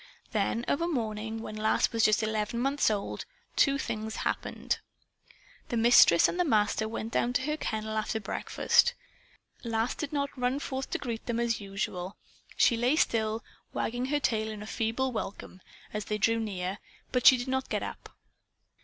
Then, of a morning, when Lass was just eleven months old, two things happened. The Mistress and the Master went down to her kennel after breakfast. Lass did not run forth to greet them as usual. She lay still, wagging her tail in feeble welcome as they drew near. But she did not get up.